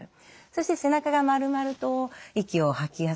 そして背中が丸まると息を吐きやすくなる。